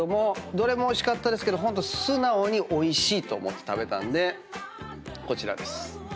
どれもおいしかったですけどホント。と思って食べたんでこちらです。